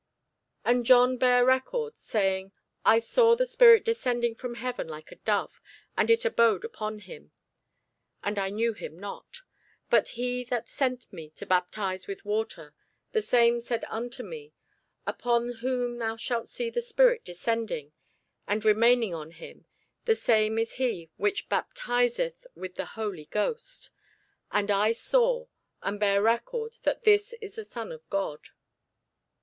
And John bare record, saying, I saw the Spirit descending from heaven like a dove, and it abode upon him. And I knew him not: but he that sent me to baptize with water, the same said unto me, Upon whom thou shalt see the Spirit descending, and remaining on him, the same is he which baptizeth with the Holy Ghost. And I saw, and bare record that this is the Son of God.